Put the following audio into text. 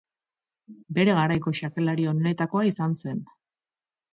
Bere garaiko xakelari onenetakoa izan zen.